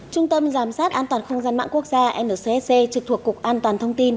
trung tâm giám sát an toàn không gian mạng quốc gia ncsc trực thuộc cục an toàn thông tin